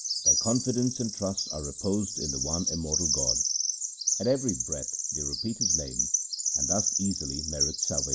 Their confidence and trust are reposed in the one immortal God. At every breath they repeat His name, and thus easily merit salvation.